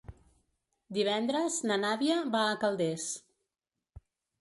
Divendres na Nàdia va a Calders.